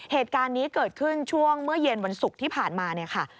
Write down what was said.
เหตุการณ์นี้เกิดขึ้นช่วงเมื่อเย็นวันศุกร์ที่ผ่านมาเนี่ยค่ะ